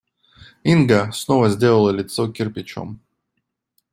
Инга снова сделала лицо кирпичом.